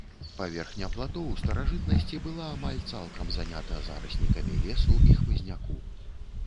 Паверхня плато ў старажытнасці была амаль цалкам занята зараснікамі лесу і хмызняку.